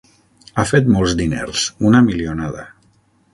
Ha fet molts diners: una milionada.